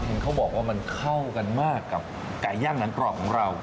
เห็นเขาบอกว่ามันเข้ากันมากกับไก่ย่างหนังกรอบของเรา